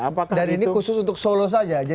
apakah itu khusus untuk solo saja